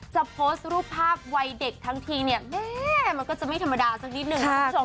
จะโพสต์รูปภาพวัยเด็กทั้งทีแย่้มันก็จะไม่ธรรมดาสักนิดนึง